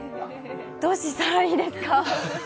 どうしたらいいですか。